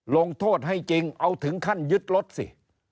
ลงโทษให้จริงเอาถึงขั้นยึดรถสิ